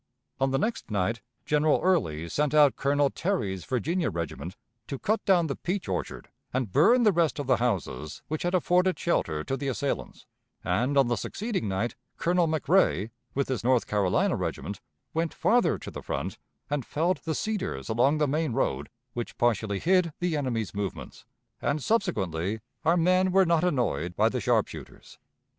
On the next night General Early sent out Colonel Terry's Virginia regiment to cut down the peach orchard and burn the rest of the houses which had afforded shelter to the assailants; and on the succeeding night Colonel McRae, with his North Carolina regiment, went farther to the front and felled the cedars along the main road which partially hid the enemy's movements, and subsequently our men were not annoyed by the sharpshooters.